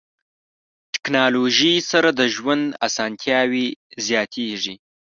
ټکنالوژي سره د ژوند اسانتیاوې زیاتیږي.